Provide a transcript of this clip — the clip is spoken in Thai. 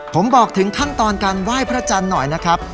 ผมบอกถึงขั้นตอนการไหว้พระจันทร์หน่อยนะครับ